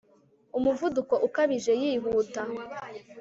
Umuvuduko ukabije yihuta